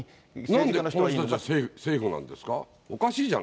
なんでこの人たちはセーフなんですか。